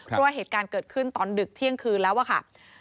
เพราะว่าเหตุการณ์เกิดขึ้นตอนดึกเที่ยงคืนแล้วอะค่ะ